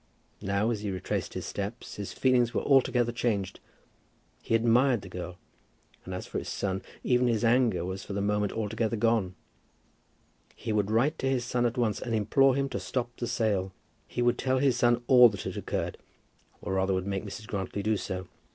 Now, as he retraced his steps, his feelings were altogether changed. He admired the girl, and as for his son, even his anger was for the moment altogether gone. He would write to his son at once and implore him to stop the sale. He would tell his son all that had occurred, or rather would make Mrs. Grantly do so.